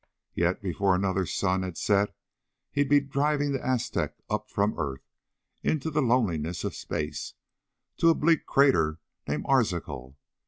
Yet before another sun had set he'd be driving the Aztec up from earth, into the loneliness of space, to a bleak crater named Arzachel.